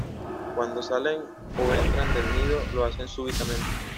Cuando salen o entran del nido lo hacen súbitamente.